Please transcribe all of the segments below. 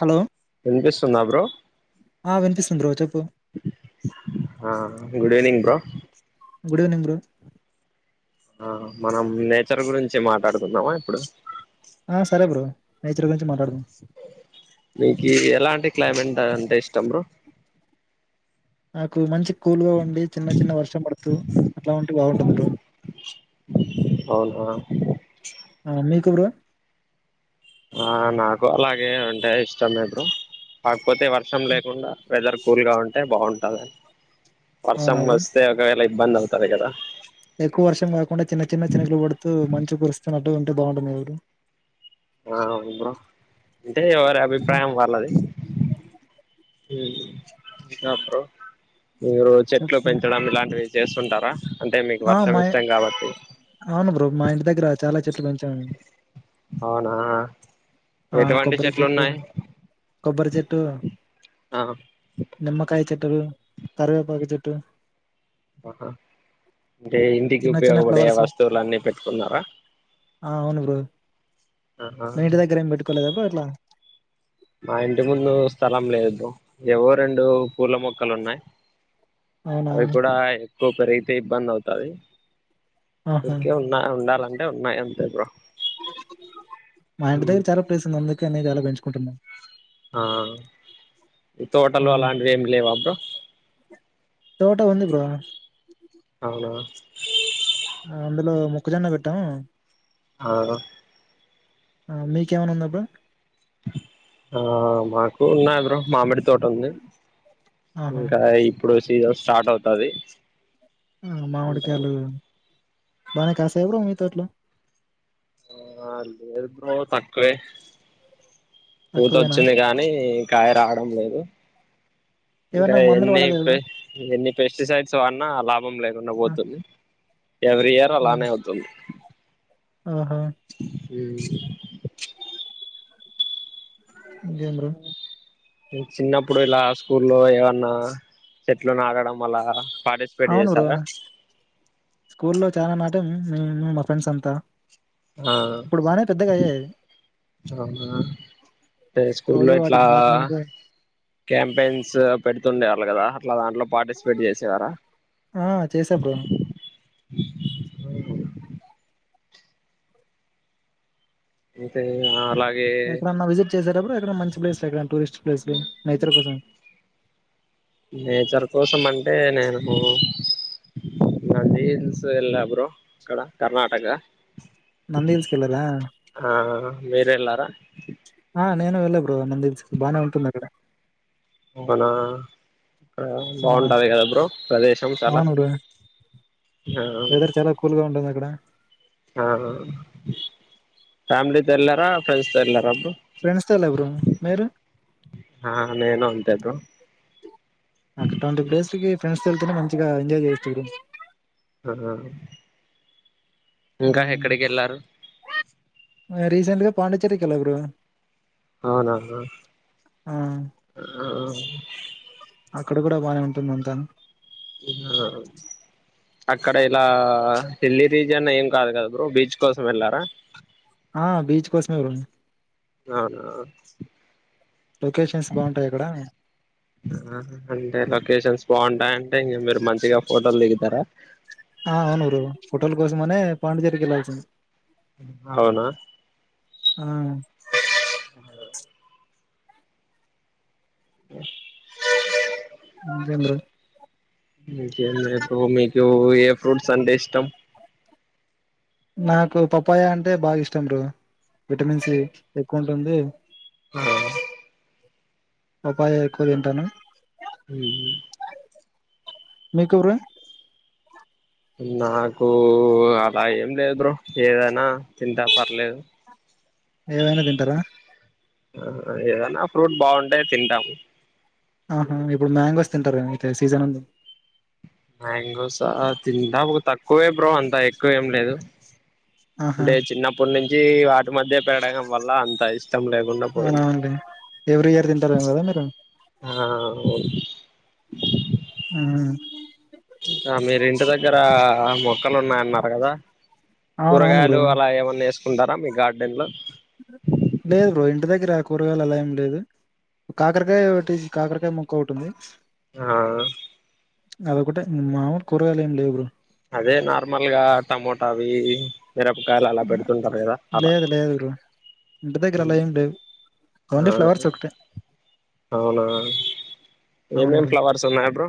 Hello విన్పిస్తుందా bro ఆ వినిపిస్తుంది బ్రో చెప్పు ఆ good evening bro good evening bro ఆ మనం నేచర్ గురించి మాట్లాడుకుందామా ఇప్పుడు ఆ సరే బ్రో నేచరు గురించి మాట్లాడుదాం నీకు ఎలాంటి క్లైమేట్ అంతే ఇష్టం బ్రో నాకు మంచి కూల్గా ఉండి చిన్న చిన్న వర్షం పడుతూ అట్లా ఉంటి బాగుంట మ్లుూ అవున్ రా ఆ మీకు బ్రో? ఆ నాకు అలాగె అంటె ఇష్టమే బ్రో. కాక్ పోతే వర్షం లేకుండా వెదర్ కూల్ గా ఉంటె బాగున్ టాది. అవునా వర్షం బ్రో వస్తే ఒకవేళ ఇప్ ఇబ్బంద్ అవుతది కదా! ఎక్కువ వర్షం కాకుండా, చిన్న చిన్న చినుకులు పడుతూ, మంచు కురుస్తున్నటు ఉంటే బాగుంటుంది. కదా బ్రో? ఆ అమ్మ అంటె, ఎవరి అభిప్రాయం వాల్లది. ఇంకా బ్రో? మీరు చెట్లు చెప్పండి పెంచడం ఇలాంటివి చేస్తుంటారా? అంటే మీకు ఆ వర్షం మా ఇష్టం కాబట్టి అవును బ్రో. మా ఇంటి దగ్గర చాల చెట్లు పెంచాము. అవునా ఆ ఎటువంటి కొబ్బరి చెట్లు చెట్టు ఉన్నాయి కొబ్బరి చెట్టు ఆ కరివే కరివేపాకు చెట్టు. ఒ హ అంటే, ఇంటికి చిన్న చిన్న ఉపయోగపడే ఫ్లవర్స్ వస్తువులన్ని పెట్టుకున్నారా? ఆ అవును బ్రో ఆహా లా మా ఇంటి ముందు స్థలం లేదు బ్రో. ఎవో రెండు పూల మొక్కలు ఉన్నాయి. అవునా అది కూడా ఇ కొకరు అయితే ఇబ్బందవుతాది. ఆహా ఊరికె ఉన్నా ఉండాలన్ టె ఉన్నాయి. అంతే బ్రో. మా ఇంటి ఉమ్ దగ్గర చాలా ప్లేస్ ఉంది. అందుకనే, ఇగ అలా పెంచుకుంటున్నాం. ఆ ఇ ఆ తోటలు అలాంటివి ఏమి లేవా బ్రో? తోట ఉంది బ్రో. అవునా! అందులో మొక్కజొన్న పెట్టాము. ఆ ఆ మీకేమైనా ఉందా బ్రో? ఆ మాకు ఉన్నాయ్ బ్రో. మామిడి తోట ఉంది. ఆహా! ఇంకా ఇ ఇప్పుడు సీజన్ స్టార్ట్ అవుతాది. ఆ మామిడికాయలు. బానె కాస్తాయ బ్రో? మీ తొర్లో ఆ లేదు బ్రో తక్కువే పూత తక్కువేనా? వచ్చింది కానీ కాయ రావడం లేదు ఇంకా ఏమన్నా మందులు ఎన్ని వాడాలా కదా ఇప్పే బ్రో? ఎన్ని పెస్టిసైడ్స్ వాడినా లాభం లేదు ఉన్న పోతుంది ఎవ్రీ ఇయర్ అలానే అవుతుంది ఆహ ఉ ఇంక ఏం బ్రో చిన్నప్పుడు ఇలా స్కూల్లో ఏవన్నా చెట్లు నాటడం అలా పార్టిసిపేట్ అవును బ్రో చేసారా స్కూల్ లో చాలా న టం మా ఫ్రెండ్స్ అంతా ఆ ఇప్పుడు బానే పెద్దగా అయ్యాయి. అవునా అంటే రోజు స్కూలో ఇట్లా వాటికి మార్నింగ్ కాంపెయిన్స్ పెడితే చేస్తుండే కదా అట్లా దాంట్లో పార్టిసిపేట్ చేసేరా ఆ చేసా బ్రో [inaudible] అంతే అలా ఎప్పుడన విజిట్ చేసారా బ్రో ఎక్కడన్నా మంచి ప్లేస్ ఎక్క టూరిస్ట్ ప్లేస్లు నేచర్ కోసం నేచర్ కోసం అంటే నేను నదిల్స్ వెళ్ళా బ్రో ఇక్కడ కర్ణాటక నంది హిల్స్ కెళ్ళారా మీరేల్లారా ఆ నేను వెళ్ళా బ్రో నంది హిల్స్ కీ బానే ఉంటుంది అక్కడ మన ఇక్కడ ఆ బాగుంటంది కదా బ్రో ప్రదేశం చాలా అవును బ్రో ఆ కడ ఆ ఫ్యామిలీ తో ఎలారా ఫ్రెండ్స్ తో ఎలార ఫ్రెండ్స్ తో వెళ్ళ బ్రో మీరు ఆ నేను అంతే బ్రో అటువంటి ప్లేస్ కి ఫ్రెండ్ తో వెళ్తేనే మంచిగా ఎంజాయ్ చేయచ్చు బ్రో ఆ ఇంకా మ్మ్. ఎక్కడికి వెళ్ళారు పాండిచేర్రీ కి వెళ్ళ బ్రో అవునా ఆ ఆ ఆ [unintelligible] అక్కడ కూడా బాగానే ఉంటుందంట ఆ అక్కడ ఇలా సిల్లీ రీజియన్ ఏం కాదు కదా బ్రో బీచ్ కోసం వెళ్లారా ఆ బీచ్ కోసమే బ్రో అవునా లొకేషన్స్ బాగుంటాయి అక్కడ అంటే లోకేషన్స్ బాగుంటాయి మీరు మంచిగా ఫోటోలు దిగుతారా ఆ అవును బ్రో ఫోటోల కోసం అనే పాండిచ్చేరికి వెళ్ళాల్సింది అవునా ఆ [inaudible] ఆ నిజం బ్రో నీకేంది బ్రో మీకు ఫ్రూట్స్ అంటే ఇష్టం నాకు పప్పాయ అంటే బాగా ఇష్టం బ్రో విటమిన్ సి ఎక్కువ ఉంటుంది. ఆ పాపాయ ఎక్కువ తింటాను హుహు మీకు బ్రో నాకు అలా ఏం లేదు బ్రో ఏదైనా తింటా పర్లేదు ఏవైనా తింటారా ఆ ఏదన్న ఫ్రూట్ బాగుంటే తింటాము ఆహా ఇప్పుడు మ్యాంగోస్ తింటార అయితే సీజన్ ఉంది మ్యాంగోసా తింటా బ్రో త క్కువే బ్రో అంతా ఎక్కువ ఏం లేదు ఆహా అంటే చిన్నప్పుడు నుంచి ఏవా ఈ మధ్య పెడగం వల్ల అంత ఇష్టం లేకుండా పోయింది అవునండి ఎవ్రీ ఇయర్ తింటారేమో కదా మీరు ఆ అవును [inaudible] ఆ మీరు ఇంటి దగ్గర మొక్కలు ఉన్నాయన్నారు కదా అవునవును బ్రో కూరగాయలు అలా ఏమన్నా ఏస్తా ఉంటారా మీ గార్డెన్లో లేదు బ్రో ఇంటి దగ్గర ఆ కూరగాయలు అలా ఏం లేదు కాకరకాయ ఒకటి కాకరకాయ మొక్క ఒకటోంది. ఆ అది ఒక్కటే మామూలు కూరగాయలేం లేవు బ్రో అదే నార్మల్గా టమోటావి మీరపకాయలు అలా ఆ, పెడుతుంటారు కదా అలా లేదు లేదు బ్రో ఇంటి దగ్గర అలా ఏం లేవు ఓన్లీ ఫ్లవర్స్ ఒకటే అవునా అవును ఏమేం బ్రో ఫ్లవర్స్ ఉన్నాయి బ్రో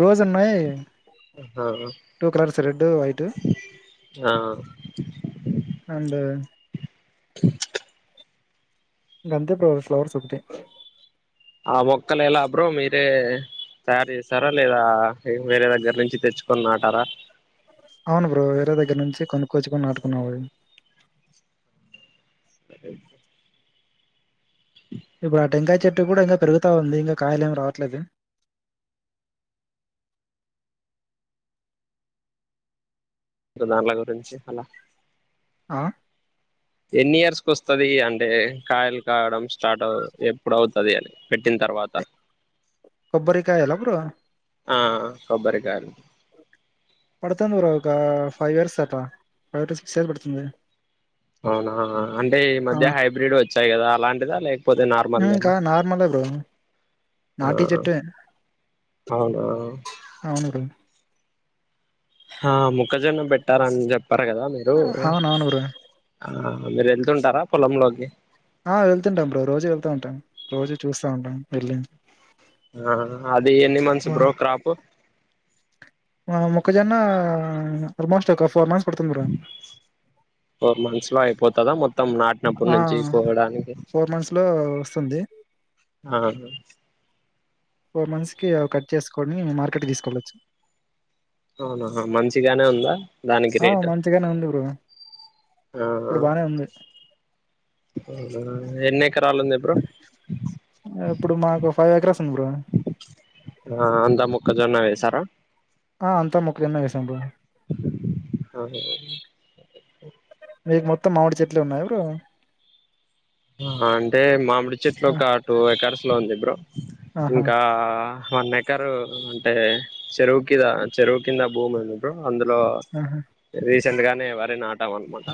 రోజ్ ఉన్నాయి, ఆ టూ కలర్స్ రెడ్. డు, వైట్ ఆ అండ్. గంతే బ్రో ఫ్లవర్స్ ఒకటే. ఆ మొక్కలు ఎలా బ్రో మీరే తయారు చేసారా లేదా, వేరే దగ్గర నుంచి తెచ్చుకొని నాటారా. అవును బ్రో, వేరే దగ్గర్ నుంచి కొనుక్కోచ్చుకోని నాటుకున్నా అవి. [unintelligible] ఇప్పుడు ఆ టెంకాయ చెట్టు గూడా ఇంగా పెరుగుతా ఉంది, ఇంగా కాయల్ ఏమి రావట్లేదు. ఇంకా దాన్ల గురించి అలా. ఆ. ఎన్ని ఇయర్స్ కి ఓ, అంటే కాయలు కావడం. స్టార్ట్ అవ్, ఎప్పుడవుత్. అదే అండి. పెట్టిన్ తర్వాత, కొబ్బరికాయలా బ్రో ఆ కొబ్బరి. జ. [unintelligible] పడతా [unintelligible] బ్రో ఒక ఫైవ్ ఇయర్స్ అట్లా, లేకపోతే సిక్స్ ఇయర్స్ పడుతుంది. అవునా అంటే ఈ ఆ, మధ్య హైబ్రిడ్ వచ్చాయి కదా, అలాంటిదా లేకపోతే ఇంకా నార్మల్దేనా, నార్మలే బ్రో ఆ నాటి చెట్టే అవునా. అవును బ్రో హా మొక్కజొన్న బేట్టార్ అని జెప్. [unintelligible] గారా మీరు. అవునవును బ్రో ఆ మీర్ ఎళ్తుంటారా, పొలంలోకి. ఆ వెళ్తుంటా బ్రో, రోజు వెళ్తూ ఉంటాను, రోజు చూస్తా ఉంటాను వెళ్ళి. ఆ అది ఎన్ని మంత్స్ బ్రో వా- క్రాపు. ఆ మొక్కజొన్న ఆల్మోస్ట్ ఒక ఫోర్ మంత్స్. పడుతుంది బ్రో ఫోర్ మంత్స్ లో అయిప్. పోతదా మొత్. మొత్తం నాటినప్పటి నుంచి, పోవడానికి ఫోర్ మంత్స్ లో వస్తుంది ఆహా. ఫోర్ మంత్స్ కి కట్ చేసుకొని, మార్కెట్ తీసుకెళ్ళొచ్చు. అవునా మంచిగానే ఉందా, దానికి ఆ, రేటు మంచిగానే ఉంది బ్రో ఆహా. ఇప్పుడు బానే ఉంది అవునా ఎన్ని ఎకరాలు ఉంది. బ్రో ఆ ఇప్పుడు మాకు. Five acres. ఉంది బ్రో ఆ అంతా మొక్కజొన్న వేసారా. ఆ, అంతా [unintelligible] ఆహా. మీకు మొత్తం మామిడి చెట్లే ఉన్నాయా బ్రో. అంటే మామిడి చెట్లు ఆ, ఒక టూ ఎకర్స్ లో ఉంది బ్రో. ఆహా ఇంకా, వన్ ఎకర్ అంటే, చెరువు కిదా, చెరువు కింద భూమి ఉంది బ్రో. అందులో ఆహా రే. [unintelligible] చెంద్గానే వరినటం నాటం అనుకుంట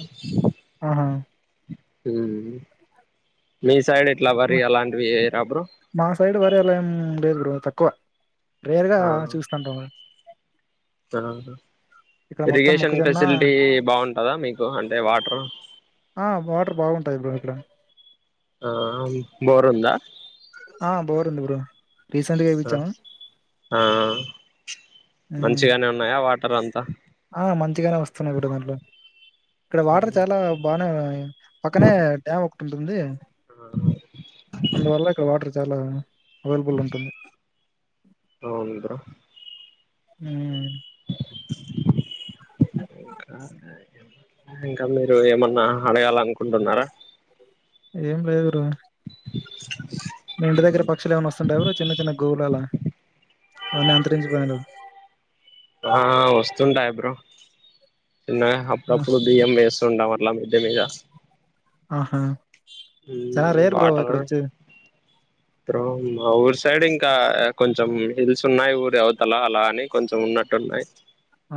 ఆహా హ్మ్ మీ సైడ్ ఎ మా సైడ్ వరి అలా ఏం లేేదు బ్రో తక్కువ రేరుగా ఆ చూస్తుంటాము [unintelligible] ఇరిగేషన్ మొక్కజొన్న ఫెసిలిటీ బావుంటదా మీకు అంటే వాటర్ ఆ వాటర్ బాగుంటాయి బ్రో ఇక్కడ ఆ ఆ బోర్ ఉందా ఆ బోర్ ఉంది బ్రో రీసెంట్ గా అ ఇప్పించాము ఆ ఉమ్, మంచిగానే ఉన్నాయా వా టర్ అంత ఆ మంచిగానే వస్తున్నాయి బ్రో దాంట్లో ఇక్కడ వాటర్ చాలా బానే పక్కనే డ్యామ్ ఉంటుంది అందువల్ల ఇక్కడ వాటర్ చాలా అవైలబుల్ ఉంటుంది అవును బ్రో హ్మ్ ఇంకా మీరు ఏమన్నా అడగాలనుకుంటున్నారా ఏం లేదు బ్రో అ మీ ఇంటి దగ్గర పక్షలు ఏమన్న వస్తుంటాయి బ్రో చిన్న చిన్న గోవులా అలా అవన్ని అంతరించిపోయాడు ఆ వస్తుంటాయి బ్రో చిన్నగా ఆ, అప్పుడప్పుడు బియంవేస్ [unintelligible] అట్ల మిద్ది మీద ఆహా చాలా రేర్ బ్రో వాటర్ ఇక్కడ వచ్చి బ్రో మా ఊరు సైడ్ ఇంకా కొంచెం హిల్స్ ఉన్నాయి ఊరు అవతల అలా అని కొంచెం ఉన్నట్టు ఉన్నాయి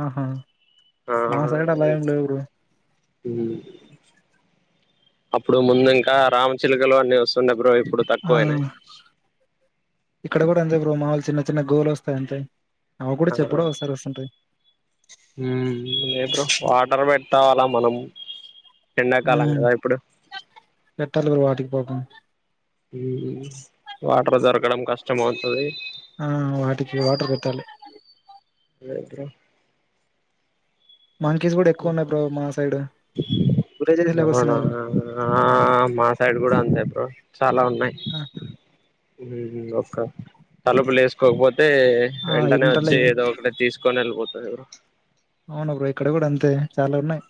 ఆహా మా సైడ్ అలా ఏం లేవు బ్రో హ్మ్ అప్పుడు ముందు ఇంకా రామచిలకలు అన్నీ వస్ ఆ ఇక్కడ కూడా అంతే బ్రో మా వాళ్లు చిన్న చిన్న గోలు వస్తాయింతే ఆవు కూడా చెప్పుడో ఒకసారి వస్తుంటది మ్.. లీటర్ ఆఫ్ వాటర్ పెట్టలా మనం ఎండాకాలం మ్... కదా ఇప్పుడు పెట్టాలి బ్రో వాటికి పాపం మ్.... వాటర్ దొరకడం కష్టం అవుతుది ఆ వాటికి వాటర్ పెట్టాలి లేదుర మంకీస్ కూడా ఎక్కువ ఉన్నాయి బ్రో మా సైడ్ విలేజెస్ లోకి అవునా వస్తున్నాయి ఆ.... మా సైడ్ కూడా అంతే. బ్రో చాలా ఉన్నాయి ఆ ఒక్క తలపులు వేసుకోకపో తే ఆ, వెంటనే ఇంటర్లో వచ్చి ఏదో ఒకటి తీసుకొని వెళ్ళిపోది అ అవున బ్రో ఇక్కడ కూడా అంతే చాలా ఉన్నాయి్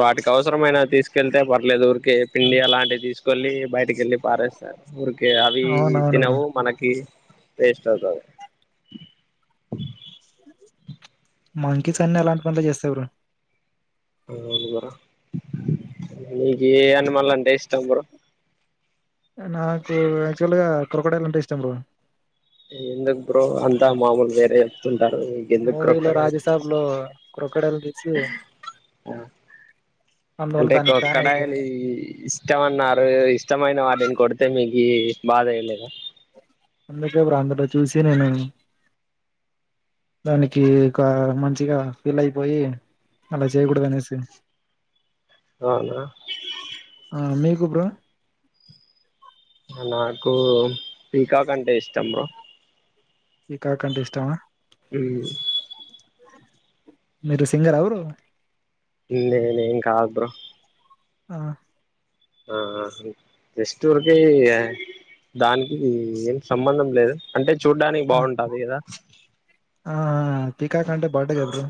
వాటికి అవసరమైనా తీసుకెళ్తే పర్ ర్లేదు పిండి అలాంటి తీసుకు ఎళ్ళి బయటకెళ్ళీపారేస్తారు ఊరికి అవి అవునవును బ్రో తినవు మనకి వేస్ట్ అవుతది మంకీస్ అన్నీ ఎలాంటి పనులు చేస్తాయి బ్రో అవును బ్రొ నీకు ఏ యానిమల్ అంటే ఇష్టం బ్రో నాక క్రొకోడైల్ అంటే ఇష్టం బ్రో ఎందకు బ్రో అంతా మామూలు వేరే చెప్తుండు మూవీలో రాజసాబ్ లో క్రొకోడైల్ ఛూసి ఇష్టం? అంటే క్రొకోడైల్ ఇష్టమన్నారు ఇష్టమైన వాటిని కొడితే మీకు ఏ భాదెయలేద అందుకే బ్రొ అందులో చూసి నేను దానికి ఒక మంచిగా ఫీల్ అయిపోయి అలా చేయకూడదు అనేసి అవునా కు బ్రొ నాకు పీకాక్ అంటే ఇష్టం బ్రో పీకాకంటే ఇష్టమ మ్ మీరు సింగరా బ్రో నేనేం కాదు బ్రో ఆ ఆ జస్ట్ ఊరకే దానికీ ఏం సంబంధం లేదు అంటే చూడ్డానికి ఆ బావుంటాది కదా ఆ పికాకంటే బాటగబ్రు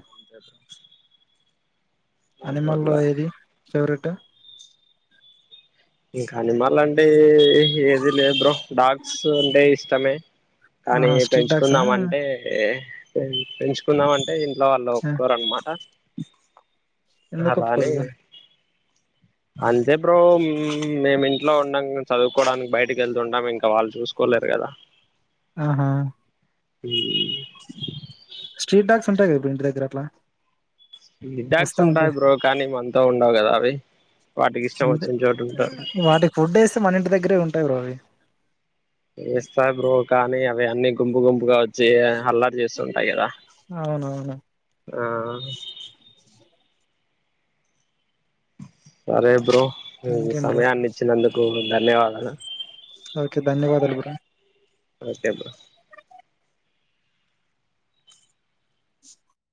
అనిమల్ అనిమల్లో ఏది ఫేవరెట్ టే ఇంకాని మళ్ళ అంటే ఏది లేదు బ్రో డాగ్స్ అంటే ఇష్టమే కానీ ఆహా స్ట్రీట్ డాగ్సా పెంచుకుందాం అంటే పెంచుకుందాం అంటే లో లో ఒక్కరు అనమాట ఎందు అలానే కొప్పుకోరు బ్రో అంతే బ్రో మేమి ఇంట్లో ఉండం చదువుకోవడానికి బయటకి వెళ్తు ఉంటము ఇంకా వాళ్ళు చూసుకోలేరు కదా ఆహా హ స్ట్రీట్ డగ్స్ టి దగ్గరట్లా డాక్స్ ఉంటాయి బ్రో కానీ మతో ఉండవు కదా అవి వాటికి ఇష్టం ఇంటి వచ్చిన చోటు ఉంటా వాటికి ఫుడ్ వేస్తే మన ఇంటి దగ్గరే ఉంటాయి బ్రో అవి వస్తాయి బ్రో కానీ అవ అన్నీ గుంపు గుంపుగా వచ్చి అల్లారు చేస్తుంటాయి కదా అవునవును. ఆ సరే బ్రో ఇ ఇంకేం బ్రో సమయాన్ని ఇచ్చినందుకు. ధన్యవాదాలు. ఓకే ధన్యవాదాలు బ్రో. Okay bro. [unintelligible]